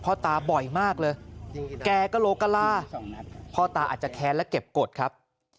พ่อตาบ่อยมากเลยแกก็โลกะลาพ่อตาอาจจะแค้นและเก็บกฎครับ